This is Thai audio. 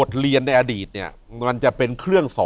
อยู่ที่แม่ศรีวิรัยิลครับ